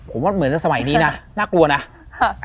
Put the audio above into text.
ผมว่าเหมือนสมัยนี้นะน่ากลัวนะ